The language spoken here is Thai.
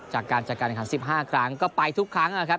จากการจัดการแข่งขัน๑๕ครั้งก็ไปทุกครั้งนะครับ